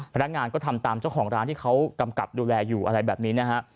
พนักงานก็ทำตามเจ้าของร้านที่เขากำกับดูแลอยู่อะไรแบบนี้นะฮะ